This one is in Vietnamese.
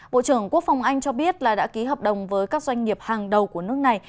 bộ trưởng quốc phòng anh cho biết là đã ký hợp đồng với các doanh nghiệp hàng đầu của nước này